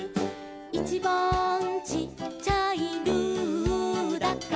「いちばんちっちゃい」「ルーだから」